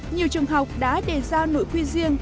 nhiều trường học đã đề ra nội quy riêng